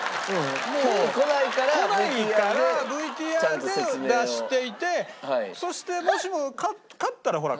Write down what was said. もう来ないから。来ないからＶＴＲで出していてそしてもしも勝ったらほら